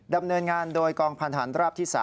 ดำเนินงานโดยกองพันธานราบที่๓